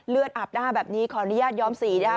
เลือดอาบด้าแบบนี้ขออนุญาตยอมสีด้า